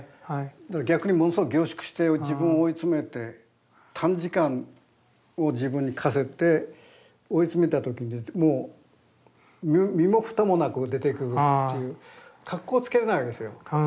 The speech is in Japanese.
逆にものすごい凝縮して自分を追い詰めて短時間を自分に課せて追い詰めた時にもう身も蓋もなく出てくるっていうかっこつけれないわけですよ。